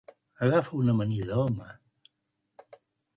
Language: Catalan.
Agafa una amanida, home.